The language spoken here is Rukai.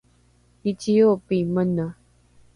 niciobi mene